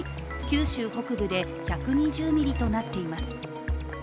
九州北部で１２０ミリとなっています。